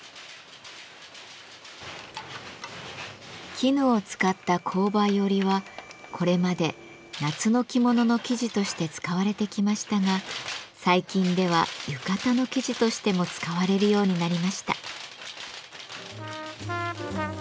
絹を使った紅梅織はこれまで夏の着物の生地として使われてきましたが最近では浴衣の生地としても使われるようになりました。